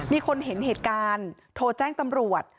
มีคนเห็นเหตุการณ์โทรแจ้งตำรวจ